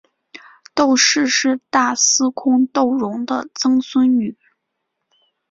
窦氏是大司空窦融的曾孙女。